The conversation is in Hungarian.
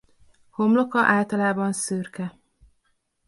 Homloka általában szürke.